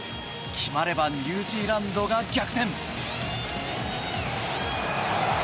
決まればニュージーランドが逆転。